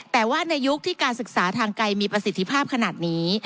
แต่ว่าในยุคที่การศึกษาทางไกลมีประสิทธิภาพขนาดนี้